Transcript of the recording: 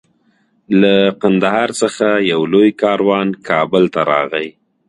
له قندهار څخه یو لوی کاروان کابل ته راغی.